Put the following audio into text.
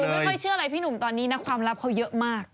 ไม่ค่อยเชื่ออะไรพี่หนุ่มตอนนี้นะความลับเขาเยอะมาก